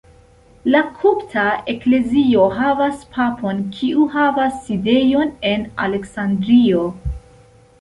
La kopta eklezio havas papon kiu havas sidejon en Aleksandrio.